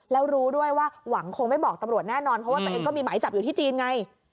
แล้วรู้ด้วยว่าหวังคงไม่บอกตำรวจแน่นอนเพราะว่าตัวเองก็มีหมายจับอยู่ที่จีนไง